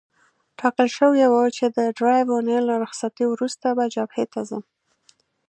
ټاکل شوې وه چې د دریو اونیو له رخصتۍ وروسته به جبهې ته ځم.